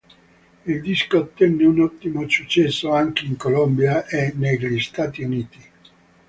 Il disco ottenne un ottimo successo anche in Colombia e negli Stati Uniti.